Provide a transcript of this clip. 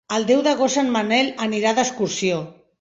El deu d'agost en Manel anirà d'excursió.